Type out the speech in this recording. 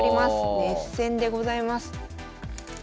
熱戦でございます。